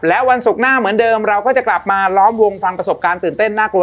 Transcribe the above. และวันศุกร์หน้าเหมือนเดิมเราก็จะกลับมาล้อมวงฟังประสบการณ์ตื่นเต้นน่ากลัว